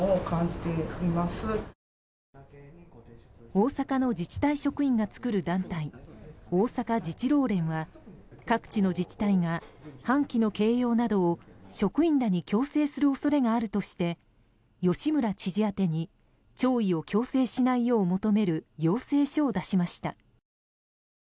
大阪の自治体職員が作る団体大阪自治労連は各地の自治体が半旗の掲揚などを職員らに強制する恐れがあるとして吉村知事宛てに弔意を強制しないよう求める要請書を出しました。